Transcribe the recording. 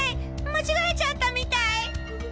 間違えちゃったみたい。